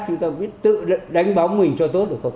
chúng ta biết tự đánh bóng mình cho tốt được không